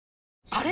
あれ？